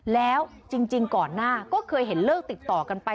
แล้วจริงก่อนหน้าก็เคยเห็นเลิกติดต่อกันไป